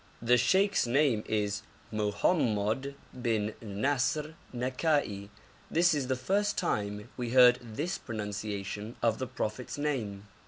The sheikh's name is Mohommod bin Nasr Nakai; this is the first time we heard this pronunciation of the Prophet's name.